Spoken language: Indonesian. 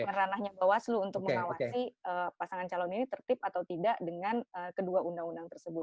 dengan ranahnya bawaslu untuk mengawasi pasangan calon ini tertib atau tidak dengan kedua undang undang tersebut